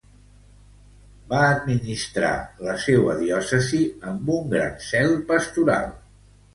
Va administrar la seua diòcesi amb un gran zel pastoral.